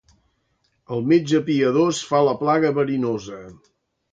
El metge piadós fa la plaga verinosa.